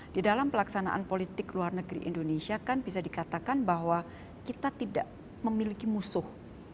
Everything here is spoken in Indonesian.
di dalam pelaksanaan politik luar negeri indonesia kan bisa dikatakan bahwa kita tidak memiliki musuh